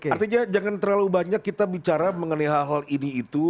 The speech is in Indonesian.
artinya jangan terlalu banyak kita bicara mengenai hal hal ini itu